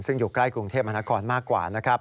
ซึ่งอยู่ใกล้กรุงเทพมหานครมากกว่านะครับ